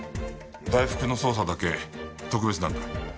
大福の捜査だけ特別なんだ。